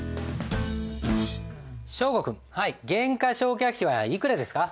祥伍君減価償却費はいくらですか？